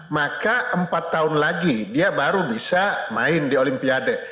maka empat tahun lagi dia baru bisa main di olimpiade